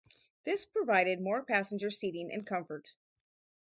This provided more passenger seating and comfort.